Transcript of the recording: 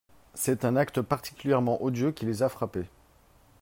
C’est un acte particulièrement odieux qui les a frappés.